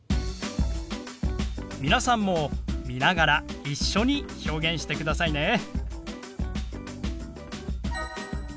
皆さんも見ながら一緒に表現してくださいね。